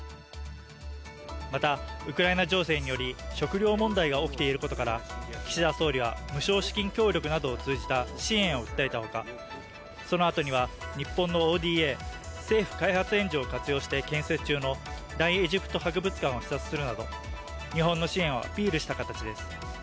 また、ウクライナ情勢により食糧問題が起きていることから岸田総理は無償資金協力などを通じた支援を訴えたほか、そのあとには日本のＯＤＡ＝政府開発援助を活用して建設中の大エジプト博物館を視察するなど日本の支援をアピールした形です。